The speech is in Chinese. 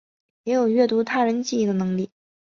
也有阅读他人记忆的能力。